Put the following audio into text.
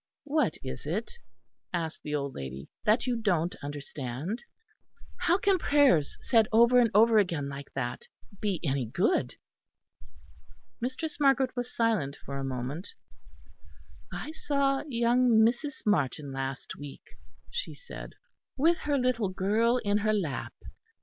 "What is it," asked the old lady, "that you don't understand?" "How can prayers said over and over again like that be any good?" Mistress Margaret was silent for a moment. "I saw young Mrs. Martin last week," she said, "with her little girl in her lap.